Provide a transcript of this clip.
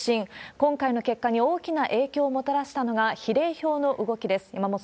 今回の結果に大きな影響をもたらしたのが、比例票の動きです。